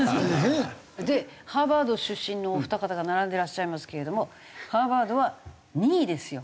でハーバード出身のお二方が並んでらっしゃいますけれどもハーバードは２位ですよ。